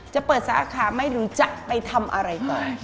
จะเปิดสาขาไม่รู้จะไปทำอะไรต่อ